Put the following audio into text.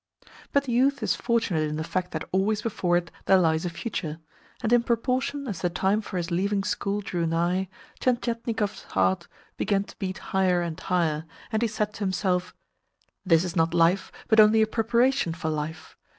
But youth is fortunate in the fact that always before it there lies a future; and in proportion as the time for his leaving school drew nigh, Tientietnikov's heart began to beat higher and higher, and he said to himself: "This is not life, but only a preparation for life.